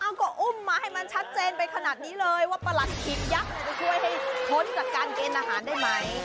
ก็อุ้มมาให้มันชัดเจนไปขนาดนี้เลยว่าประหลัดขิกยักษ์จะช่วยให้พ้นจากการเกณฑ์อาหารได้ไหม